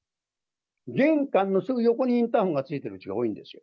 玄関のすぐ横にインターフォンが付いてるうちが多いんですよ。